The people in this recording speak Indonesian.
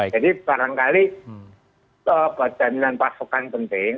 jadi barangkali jaminan pasokan penting